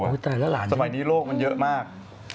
นี่คือแต่แล้วหลานมั้ยเมื่อไหร่สมัยนี้โลกมันเยอะมาก